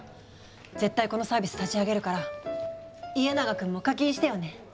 絶対このサービス立ち上げるから家長くんも課金してよね。